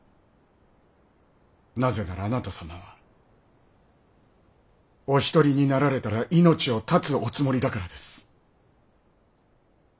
なぜならあなた様はお一人になられたら命を絶つおつもりだからです。